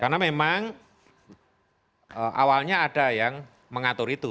karena memang awalnya ada yang mengatur itu